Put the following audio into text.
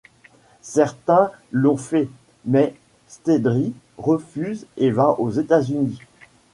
Certains l’ont fait, mais Stiedry refuse et va aux États-Unis.